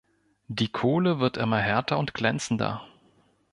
Die Kohle wird immer härter und glänzender.